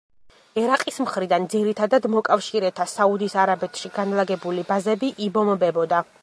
ერაყის მხრიდან ძირითადად მოკავშირეთა საუდის არაბეთში განლაგებული ბაზები იბომბებოდა.